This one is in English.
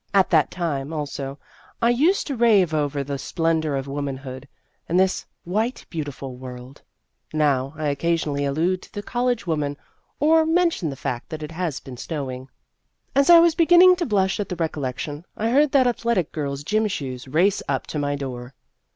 At that time, also, I used to rave over the " splendor of woman hood," and this " white beautiful world "; That Athletic Girl 201 now, I occasionally allude to the college woman, or mention the fact that it has been snowing. As I was beginning to blush at the recollection, I heard that athletic girl's gym shoes race up to my door.